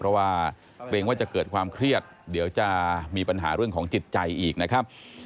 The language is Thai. เพราะว่าเกรงว่าจะเกิดความเครียดเดี๋ยวจะมีปัญหาเรื่องของจิตใจอีกนะครับ